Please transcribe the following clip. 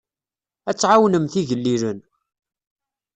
Ad tɛawnemt igellilen.